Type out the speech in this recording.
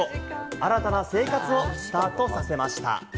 新たな生活をスタートさせました。